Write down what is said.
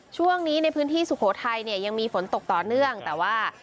ช่วงนี้ในพื้นที่สุโขทัยเนี่ยยังมีฝนตกต่อเนื่องแต่ว่า